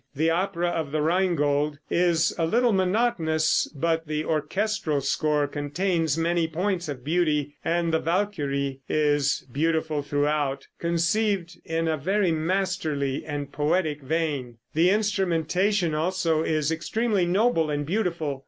The opera of the "Rhinegold" is a little monotonous, but the orchestral score contains many points of beauty, and "The Valkyrie" is beautiful throughout, conceived in a very masterly and poetic vein; the instrumentation, also, is extremely noble and beautiful.